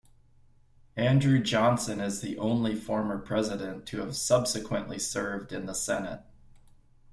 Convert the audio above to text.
Andrew Johnson is the only former president to have subsequently served in the Senate.